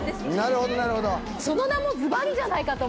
その名もズバリじゃないかと思って。